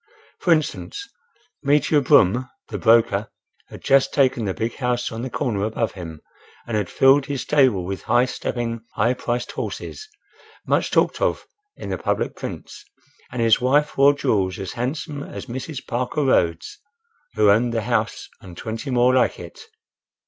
For instance, "Meteor" Broome the broker, had just taken the big house on the corner above him, and had filled his stable with high stepping, high priced horses—much talked of in the public prints—and his wife wore jewels as handsome as Mrs. Parke Rhode's who owned the house and twenty more like it.